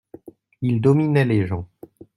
Il dominait les gens.